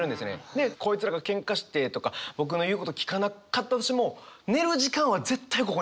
でこいつらがケンカしてとか僕の言うこと聞かなかったとしても寝る時間は絶対ここに来るんですよ。